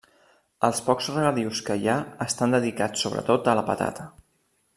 Els pocs regadius que hi ha estan dedicats sobretot a la patata.